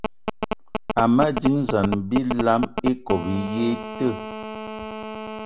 Ama dínzan bilam íkob í yé í te